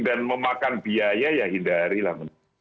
dan memakan biaya ya hindari lah